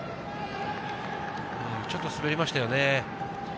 ちょっと滑りましたよね。